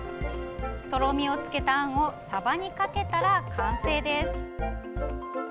とろみをつけたあんをさばにかけたら完成です。